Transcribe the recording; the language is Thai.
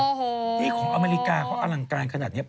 โอ้โหนี่ของอเมริกาเขาอลังการขนาดนี้